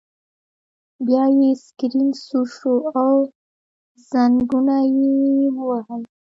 بیا یې سکرین سور شو او زنګونه یې ووهل